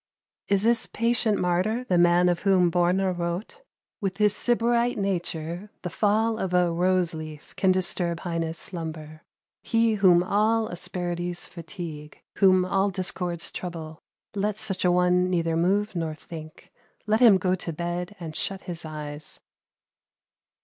Is this patient martyr the man of whom Börne wrote: "with his sybarite nature, the fall of a rose leaf can disturb Heine's slumber. He whom all asperities fatigue, whom all discords trouble, let such a one neither move nor think let him go to bed and shut his eyes."